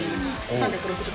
３６０。